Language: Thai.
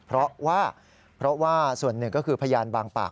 เพราะว่าส่วนหนึ่งก็คือพรรยานบางปาก